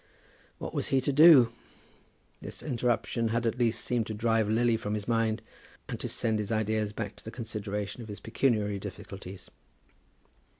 What was he to do? This interruption had at least seemed to drive Lily from his mind, and to send his ideas back to the consideration of his pecuniary difficulties.